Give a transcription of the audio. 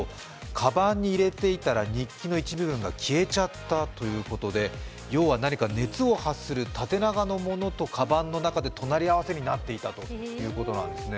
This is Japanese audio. かばんに入れていたら日記の一部分が消えちゃったということで要は何か熱を発する縦長のものとかばんの中で隣り合わせになっていたということなんですね。